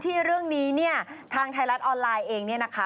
เรื่องนี้เนี่ยทางไทยรัฐออนไลน์เองเนี่ยนะคะ